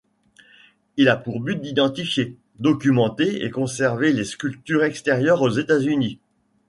Il a pour but d'identifier, documenter et conserver les sculptures extérieures aux États-Unis.